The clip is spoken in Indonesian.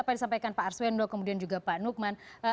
apa yang disampaikan pak arswendo kemudian juga pak nukman